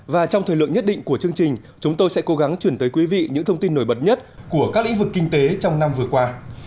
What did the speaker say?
và trong thời lượng nhất định của chương trình chúng tôi sẽ cố gắng chuyển tới quý vị những thông tin nổi bật nhất của các lĩnh vực kinh tế trong năm vừa qua